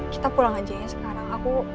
kita pulang aja ya sekarang aku